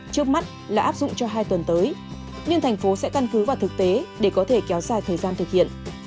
trước mắt là áp dụng cho hai tuần tới nhưng thành phố sẽ căn cứ vào thực tế để có thể kéo dài thời gian thực hiện